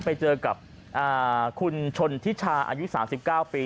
ไปเจอกับคุณชนทิชาอายุ๓๙ปี